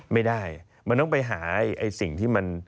ไม่ได้มันต้องไปหาไอ้สิ่งที่มัน